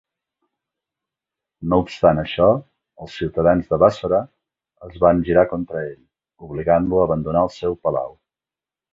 No obstant això, els ciutadans de Bàssora es van girar contra ell, obligant-lo a abandonar el seu palau.